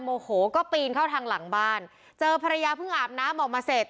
โมโหก็ปีนเข้าทางหลังบ้านเจอภรรยาเพิ่งอาบน้ำออกมาเสร็จ